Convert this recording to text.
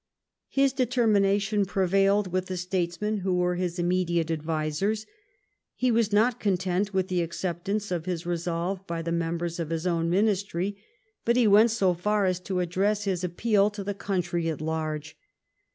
His determination prevailed with the statesmen who were his immediate advisers. He was not content with the acceptance of his resolve by the members of his own ministry, but he went so far as to address his appeal to the country at large.